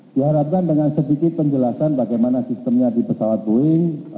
diharapkan dengan sedikit penjelasan bagaimana sistemnya di pesawat boeing